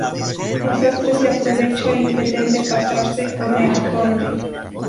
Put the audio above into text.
El sastre se aprovecha y pretende pasarse por el conde.